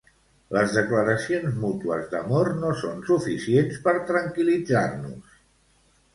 Les declaracions mútues d'amor no són suficients per tranquil·litzar-nos.